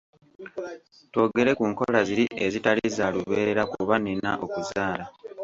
Twogere ku nkola ziri ezitali za lubeerera kuba nnina okuzaala.